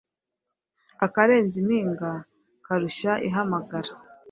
Akarenze impinga karushya ihamagara.